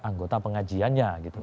anggota pengajiannya gitu